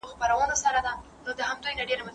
زه به سبا سينه سپين کړم،